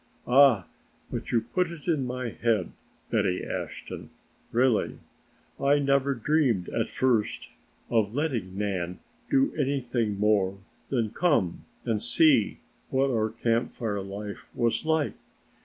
"Ah, but you put it in my head, Betty Ashton. Really I never dreamed at first of letting Nan do anything more than come and see what our Camp Fire life was like.